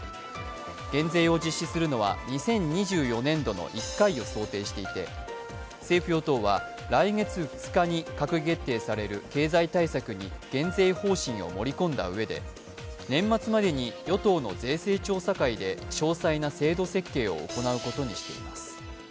減税を実施するのは２０２４年の１回を想定していて政府・与党は来月２日に閣議決定される経済対策に減税方針を盛り込んだうえで年末までに与党の税制調査会で詳細な制度設計を行うことにしています。